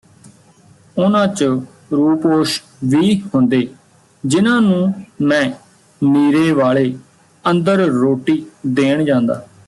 ਉਨ੍ਹਾਂ ਚ ਰੂਪੋਸ਼ ਵੀ ਹੁੰਦੇ ਜਿਨ੍ਹਾਂ ਨੂੰ ਮੈਂ ਨੀਰੇ ਵਾਲੇ ਅੰਦਰ ਰੋਟੀ ਦੇਣ ਜਾਂਦਾ